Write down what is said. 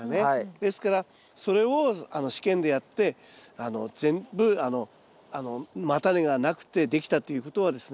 ですからそれを試験でやって全部叉根がなくてできたっていうことはですね